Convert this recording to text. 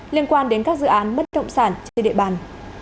liên quan đến các dự án bất động sản trên địa bàn